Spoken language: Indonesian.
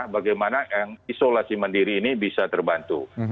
bagaimana isolasi mandiri ini bisa terbantu